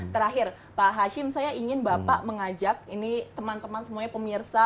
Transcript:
terakhir pak hashim saya ingin bapak mengajak ini teman teman semuanya pemirsa